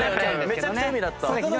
めちゃくちゃ海だった。